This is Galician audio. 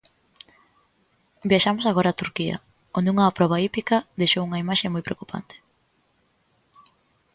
Viaxamos agora a Turquía, onde unha proba hípica deixou unha imaxe moi preocupante.